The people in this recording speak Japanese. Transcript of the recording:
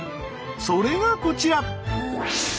それがこちら。